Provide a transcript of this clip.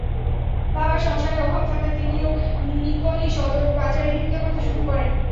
বাবার সংসারে অভাব থাকায় তিনিও নিকলী সদর বাজারে ভিক্ষা করতে শুরু করেন।